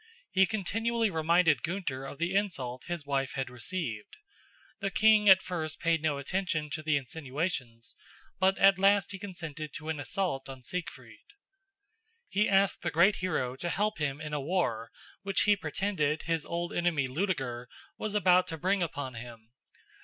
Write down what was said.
He continually reminded Gunther of the insult his wife had received. The king at first paid no attention to the insinuations, but at last he consented to an assault on Siegfried. He asked the great hero to help him in a war which he pretended his old enemy Ludeger was about to bring upon him.